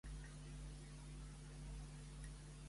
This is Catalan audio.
Cthulhu forma part d'una mitologia?